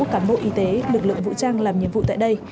cán bộ y tế lực lượng vũ trang làm nhiệm vụ tại đây